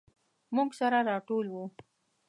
موږ سره راټول وو.